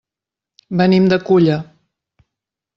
Venim de Culla.